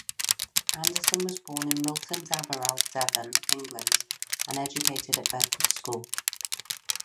Anderson was born in Milton Damerel, Devon, England and educated at Bedford School.